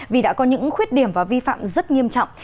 vì đã có những khuyết điểm và vi phạm rất nghiêm trọng